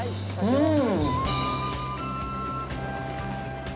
うん！